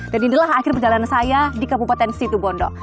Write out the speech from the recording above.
dan inilah akhir perjalanan saya di kabupaten situ bondo